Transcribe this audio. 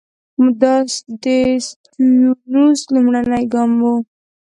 دا د سټیونز لومړنی ګام وو.